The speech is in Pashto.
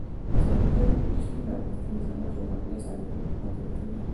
سمندر نه شتون د افغانستان د ځانګړي جغرافیې استازیتوب په ښه توګه کوي.